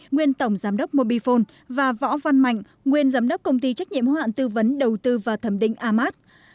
nguyên tổng giám đốc mobifone và võ văn mạnh nguyên giám đốc công ty trách nhiệm hoạn tư vấn đầu tư và thẩm định amat